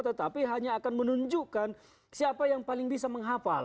tetapi hanya akan menunjukkan siapa yang paling bisa menghafal